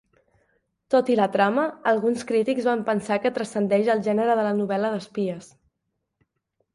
Tot i la trama, alguns crítics van pensar que transcendeix el gènere de la novel·la d'espies.